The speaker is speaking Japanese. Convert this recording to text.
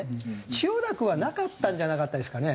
千代田区はなかったんじゃなかったですかね？